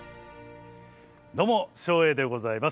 どうも照英でございます。